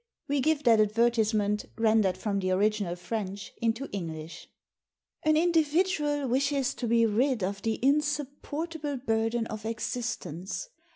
We give that advertisement, rendered from the original French into English: — "An individual wishes to be rid of the insupportable burden of existence.